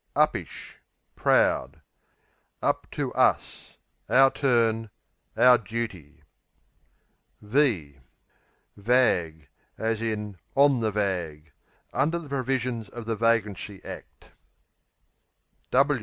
Uppish Proud. Up to us Our turn; our duty. Vag, on the Under the provisions of the Vagrancy Act.